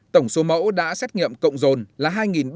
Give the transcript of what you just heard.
tổng số mẫu đã xét nghiệm cộng dồn là hai ba trăm sáu mươi bảy